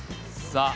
さあ！